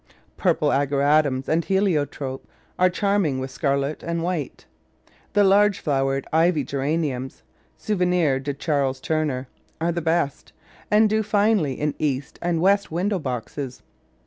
Purple Ageratums and Heliotrope are charming with scarlet and white. The large flowered Ivy Geraniums — Souvenir de Charles Turner — are the best, and do finely in east and west window boxes